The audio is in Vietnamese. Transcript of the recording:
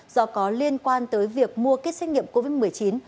do có liên quan tới việc mua kết xét nghiệm covid một mươi chín